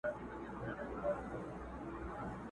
چي په دام كي اسير نه سي كوم موږك دئ!!